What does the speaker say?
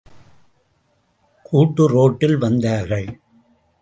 கூட்டு ரோட்டில் வந்தார்கள்.